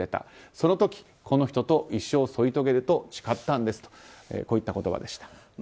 その時、この人と一生添い遂げると誓ったんですといった言葉でした。